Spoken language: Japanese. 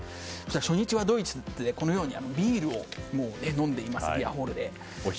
初日はドイツでビールを飲んでいますよねビアホールで。